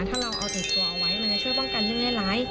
ถ้าเราเอาติดตัวเอาไว้มันจะช่วยป้องกันให้แม่ร้าย